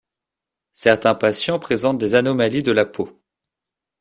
Certains patients présentent des anomalies de la peau.